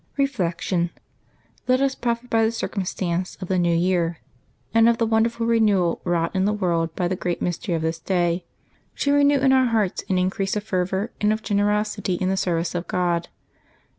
Reflection. — Let us profit by the circumstance of the new 3^ear, and of tlie wonderful renewal wrought in the world by the great mystery of this day, to renew in our 22 LIVES OF THE SAINTS [Januabt 2 hearts an increase of fervor and of generosity in the ser vice of God.